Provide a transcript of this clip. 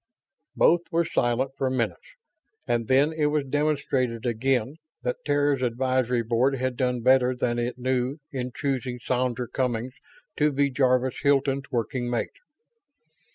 Both were silent for minutes; and then it was demonstrated again that Terra's Advisory Board had done better than it knew in choosing Sandra Cummings to be Jarvis Hilton's working mate.